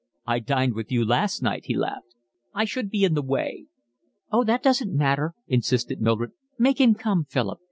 "I dined with you last night," he laughed. "I should be in the way." "Oh, that doesn't matter," insisted Mildred. "Make him come, Philip.